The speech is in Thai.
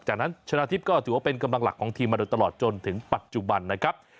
จากนั้นชนะทิพย์ก็ถือว่าเป็นกำลังหลักของทีมมาโดยตลอดจนถึงปัจจุบันนะครับ